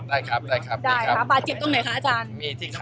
อาจารย์ค่ะสวัสดีค่ะอาจารย์โอเคดีนะคะ